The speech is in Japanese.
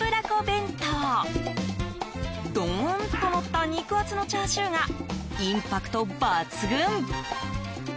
弁当ドーンとのった肉厚のチャーシューがインパクト抜群。